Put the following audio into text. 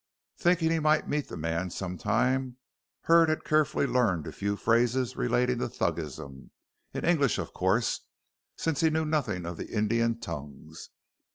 Thinking he might meet the man some time, Hurd had carefully learned a few phrases relating to Thuggism in English of course, since he knew nothing of the Indian tongues.